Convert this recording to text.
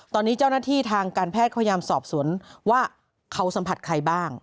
ตอนนี้เจ้าหน้าที่ทางการแพทย์พยายามสอบสวนว่าเขาสัมผัสใครบ้าง